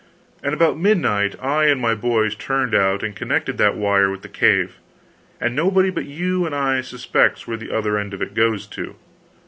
and about midnight I and my boys turned out and connected that wire with the cave, and nobody but you and I suspects where the other end of it goes to.